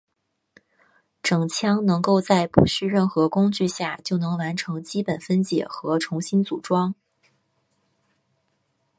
整枪能够在不需任何工具下就能完成基本分解和重新组装。